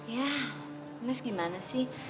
ya mas gimana sih